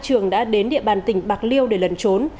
trường đã đến địa bàn tỉnh bạc liêu để lần trốn